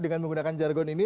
dengan menggunakan jargon ini